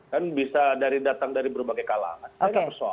kan bisa datang dari berbagai kalangan